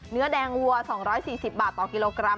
เนื้อแดงวัว๒๔๐บาทต่อกิโลกรัม